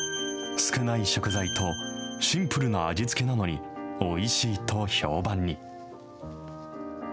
少ない食材とシンプルな味付けなのにおいしいと評判に。